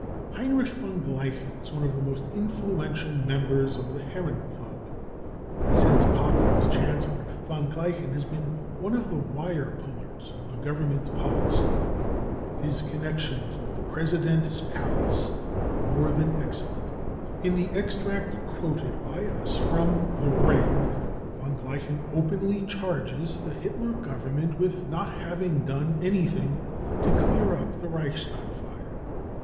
Heinrich von Gleichen is one of the most influential members of the Herrenklub . Since Papen was Chancellor, von Gleichen has been one of the wire pullers of the Government's policy. His connections with the President's palace are more than excellent. In the extract quoted by us from the* Ring, von Gleichen openly charges the Hitler Government with not having done anything to clear up the Reichstag fire.